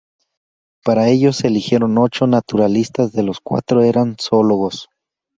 Para ello, se eligieron ocho naturalistas, de los que cuatro eran zoólogos.